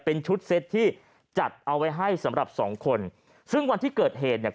เป็นชุดเซ็ตที่จัดเอาไว้ให้สำหรับสองคนซึ่งวันที่เกิดเหตุเนี่ย